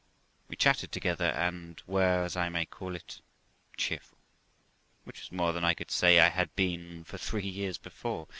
We chatted together, and were, as I may call it. cheerful, which was more than I could say I had been for three years before.